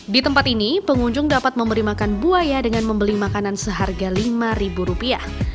di tempat ini pengunjung dapat memberi makan buaya dengan membeli makanan seharga lima ribu rupiah